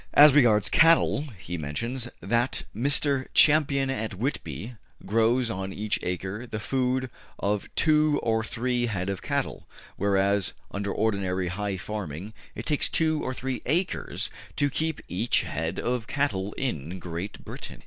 As regards cattle, he mentions that Mr. Champion at Whitby grows on each acre the food of two or three head of cattle, whereas under ordinary high farming it takes two or three acres to keep each head of cattle in Great Britain.